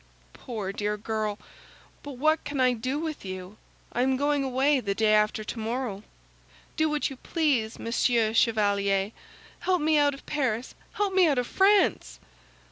"Poor dear girl! But what can I do with you? I am going away the day after tomorrow." "Do what you please, Monsieur Chevalier. Help me out of Paris; help me out of France!"